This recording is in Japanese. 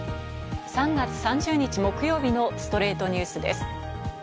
３月３０日、木曜日の『ストレイトニュース』です。